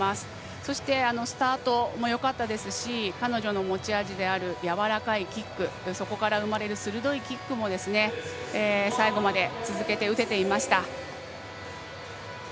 そしてスタートもよかったですし彼女の持ち味であるやわらかいキックそこから生まれる鋭いキックも最後まで続けて打てていました。